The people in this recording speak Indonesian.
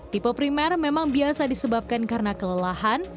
tipe primer memang biasa disebabkan karena kelelahan